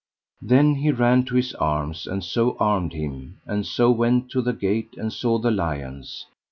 Then he ran to his arms, and so armed him, and so went to the gate and saw the lions.